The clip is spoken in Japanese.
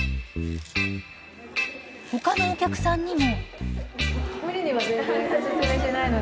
他のお客さんにも。